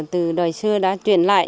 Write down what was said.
từ đời xưa đã chuyển lại